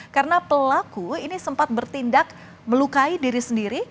karena pelaku ini sempat bertindak melukai diri sendiri